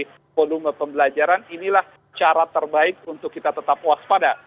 jadi volume pembelajaran inilah cara terbaik untuk kita tetap waspada